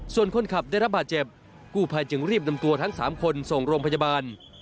ส่วนคนขับได้รับบาดเจ็บกู้ภัยจึงรีบนำตัวทั้ง๓คนส่งโรงพยาบาล